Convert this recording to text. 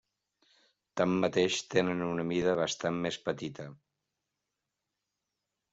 Tanmateix, tenen una mida bastant més petita.